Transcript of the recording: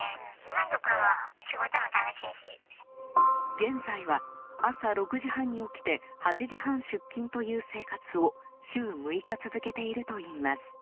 現在は、朝６時半に起きて８時半出勤という生活を週６日続けているといいます。